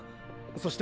そして。